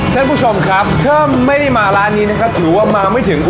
ท่านผู้ชมครับถ้าไม่ได้มาร้านนี้นะครับถือว่ามาไม่ถึง